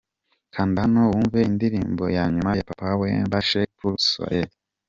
Kanda hano wumve indirimbo ya nyuma ya Papa Wemba shake puru suwaye.